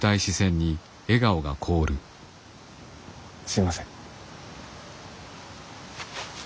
すいません。